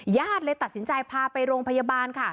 ญาติเลยตัดสินใจพาไปโรงพยาบาลค่ะ